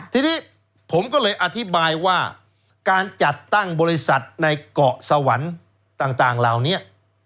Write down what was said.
ทีนี้ผมก็เลยอธิบายว่าการจัดตั้งบริษัทในเกาะสวรรค์ต่างเหล่านี้